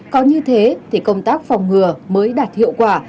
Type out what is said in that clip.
có như thế thì công tác phòng ngừa mới đạt hiệu quả